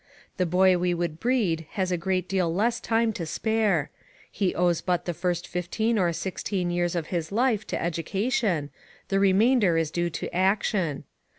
The boy we would breed has a great deal less time to spare; he owes but the first fifteen or sixteen years of his life to education; the remainder is due to action.